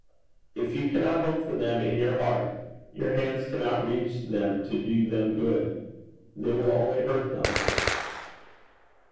If you cannot hope for them in your heart, your hands cannot reach them to do them good. They will only hurt them.'